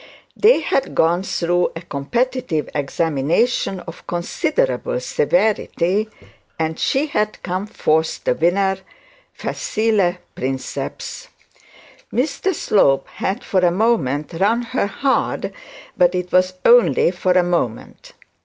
They had gone through a competitive examination of considerable severity, and she had come forth the winner, facile princeps. Mr Slope had, for a moment, run her hard, but it was only for a moment.